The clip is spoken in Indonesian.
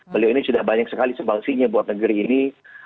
beliau ini sudah banyak sekali sebangsinya buat negeri ini